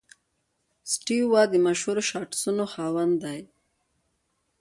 سټیو وا د مشهور شاټسونو خاوند دئ.